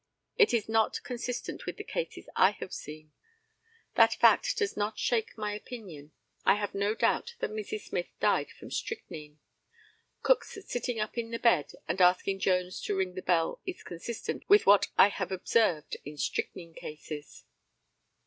It is not consistent with the cases I have seen. That fact does not shake my opinion. I have no doubt that Mrs. Smyth died from strychnine. Cook's sitting up in the bed and asking Jones to ring the bell is inconsistent with what I have observed in strychnine cases.